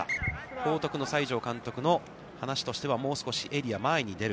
報徳の西條監督の話としてはもう少しエリア、前に出る。